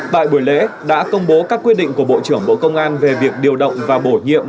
tại buổi lễ đã công bố các quyết định của bộ trưởng bộ công an về việc điều động và bổ nhiệm